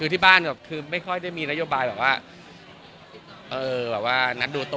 หาเอ็นไม่ได้แม่หาให้อะไรแบบนั้น